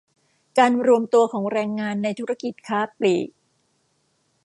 การรวมตัวของแรงงานในธุรกิจค้าปลีก